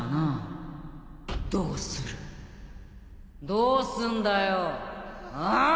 どうすんだよああ？